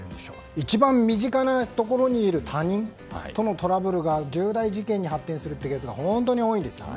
一番身近なところにいる他人とのトラブルが重大事件に発展するケースが本当に多いんですよね。